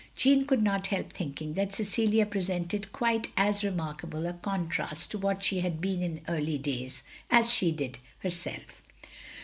Jeanne could not help thinking that Cecilia presented quite as remarkable a contrast to what she had been in early days, as she did herself.